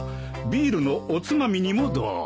ビールのおつまみにもどうぞ。